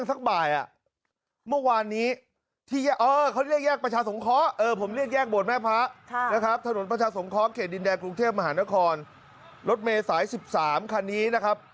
รถเมยสาย๑๓คาร์นี้นะครับ